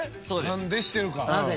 何でしてるか？